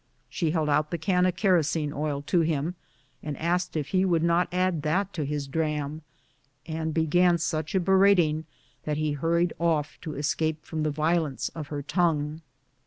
She held out the can of kerosene oil to him, and asked if he would not add that to his dram, and began such a berating that he hurried off to escape from the violence of her tongue.